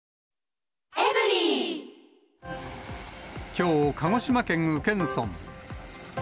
きょう、鹿児島県宇検村。